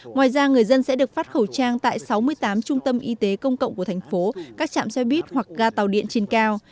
ngoài ra người dân sẽ được phát khẩu trang tại sáu mươi tám trung tâm y tế công cộng của thành phố các trạm xe buýt hoặc ga tàu điện trên cao